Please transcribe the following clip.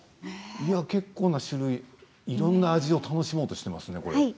結構な種類、いろんな味を楽しもうとしていますね。